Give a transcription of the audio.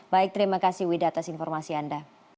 baik terima kasih wida atas informasi anda